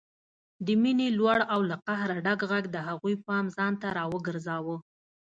د مينې لوړ او له قهره ډک غږ د هغوی پام ځانته راوګرځاوه